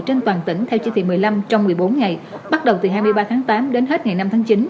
trên toàn tỉnh theo chỉ thị một mươi năm trong một mươi bốn ngày bắt đầu từ hai mươi ba tháng tám đến hết ngày năm tháng chín